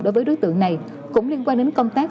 đối với đối tượng này cũng liên quan đến công tác